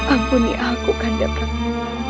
ampuni aku kandapraku